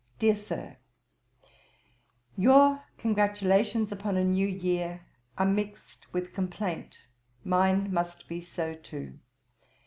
'DEAR SIR, 'Your congratulations upon a new year are mixed with complaint: mine must be so too.